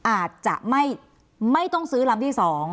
อาจจะไม่ต้องซื้อลำที่๒